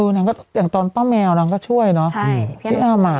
อย่างนั้นก็อย่างตอนเป้าแมวเราก็ช่วยเนาะ